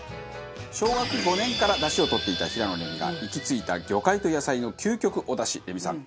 小学５年から出汁を取っていた平野レミが行き着いた魚介と野菜の究極お出汁レミさん